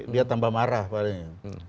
dia tambah marah paling